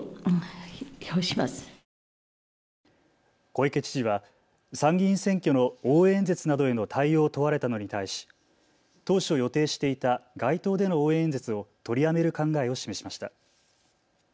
小池知事は参議院選挙の応援演説などへの対応を問われたのに対し、当初予定していた街頭での応援演説を取りやめる考えを示しました。